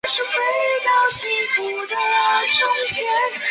南传佛教称此为第四次结集。